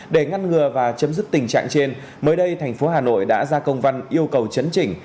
để ngăn ngừa và chấm dứt tình trạng trên mới đây thành phố hà nội đã ra công văn yêu cầu chấn chỉnh